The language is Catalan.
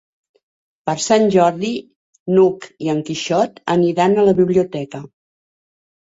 Per Sant Jordi n'Hug i en Quixot aniran a la biblioteca.